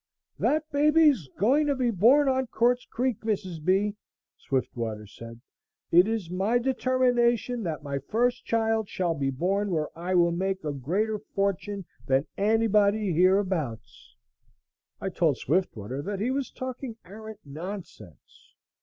"That baby is going to be born on Quartz Creek, Mrs. B " Swiftwater said. "It is my determination that my first child shall be born where I will make a greater fortune than anybody hereabouts." I told Swiftwater that he was talking arrant nonsense.